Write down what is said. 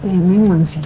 ya memang sih